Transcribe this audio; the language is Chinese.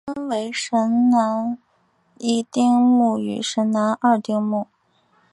分为神南一丁目与神南二丁目。